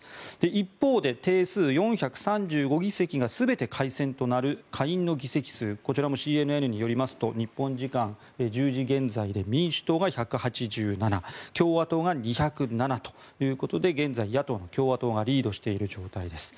一方で、定数４３５議席が全て改選となる下院の議席数こちらもＣＮＮによりますと日本時間１０時現在で民主党が１８７共和党が２０７ということで現在、野党の共和党がリードしている状況です。